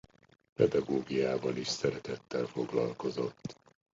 Pedagógiával is szeretettel foglalkozott.